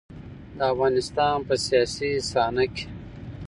د افغانستان په سياسي صحنه کې.